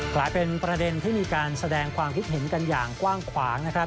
กลายเป็นประเด็นที่มีการแสดงความคิดเห็นกันอย่างกว้างขวางนะครับ